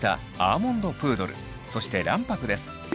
そして卵白です。